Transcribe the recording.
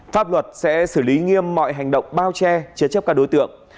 pháp luật sẽ xử lý nghiêm mọi hành động bao che chế chấp các đối tượng